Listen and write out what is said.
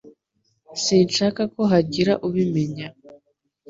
Sinshaka ko hagira ubimenya.